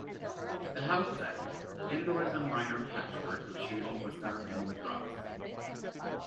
The house set, indoors and minor patchwork of shooting was done in Madras.